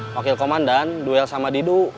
wakil komandan duel sama didu